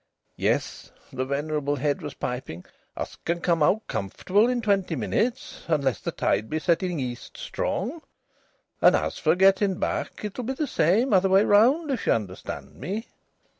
"Yes," the venerable head was piping. "Us can come out comfortable in twenty minutes, unless the tide be setting east strong. And, as for getting back, it'll be the same, other way round, if ye understand me."